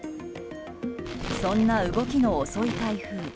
そんな動きの遅い台風。